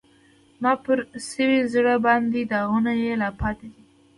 زما پر سوي زړه باندې داغونه یې لا پاتی دي